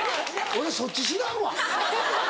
俺そっち知らんわ。